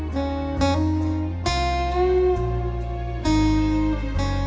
ครับ